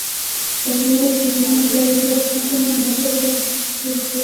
তবে রেজ্যুলেশন যতই ভালো হোক, ভালো সেলফি তুলতে হলে স্টিকের বিকল্প নেই।